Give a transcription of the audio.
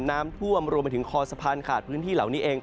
น้ำท่วมรวมไปถึงคอสะพานขาดพื้นที่เหล่านี้เอง